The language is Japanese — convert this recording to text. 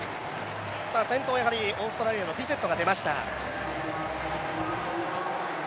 先頭はやはりオーストラリアのビセットが出ました。